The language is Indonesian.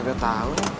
gak tau ya